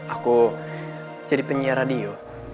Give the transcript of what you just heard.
aku jadi penyiar radio